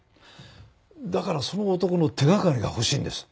だからその男の手がかりが欲しいんです。